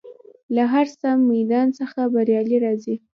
له هر میدان څخه بریالی راځي.